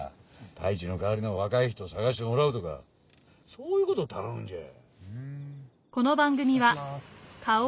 太一の代わりの若い人を探してもらうとかそういうことを頼むんじゃ。